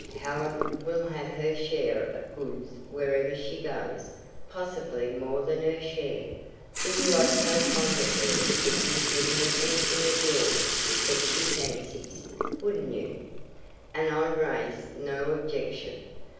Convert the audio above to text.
Helen will have her share of the goods wherever she goes possibly more than her share, for you are so fond of her that you'd give her anything of yours that she fancies, wouldn't you? and I'd raise no objection.